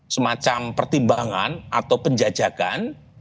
semacam pertimbangan atau penjajakan